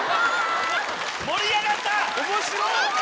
盛り上がった！